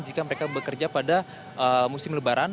jika mereka bekerja pada musim lebaran